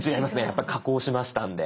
やっぱ加工しましたんで。